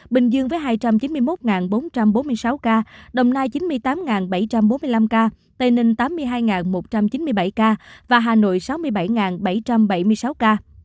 bình dương với hai trăm chín mươi một bốn trăm bốn mươi sáu ca đồng nai chín mươi tám bảy trăm bốn mươi năm ca tây ninh tám mươi hai một trăm chín mươi bảy ca và hà nội sáu mươi bảy bảy trăm bảy mươi sáu ca